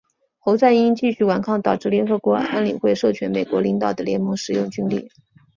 侯赛因继续顽抗导致联合国安理会授权美国领导的联盟使用武力。